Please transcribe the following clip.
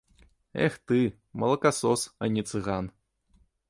Эх ты, малакасос, а не цыган.